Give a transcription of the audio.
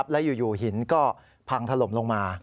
แล้วอยู่หินก็พังถล่มลงมา